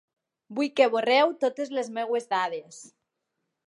Vull que borreu totes les meves dades.